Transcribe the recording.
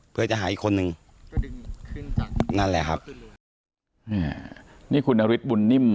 เพื่อจะหาอีกคนนึงนั่นแหละครับอ่านี่คุณนฤทธิบุญนิ่ม